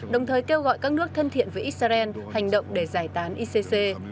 đồng thời kêu gọi các nước thân thiện với israel hành động để giải tán icc